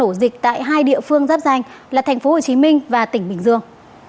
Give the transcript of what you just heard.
tổ dịch tại hai địa phương giáp danh là tp hcm và tỉnh bình dương